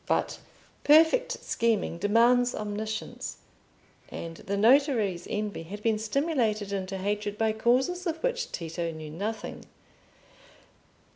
But perfect scheming demands omniscience, and the notary's envy had been stimulated into hatred by causes of which Tito knew nothing.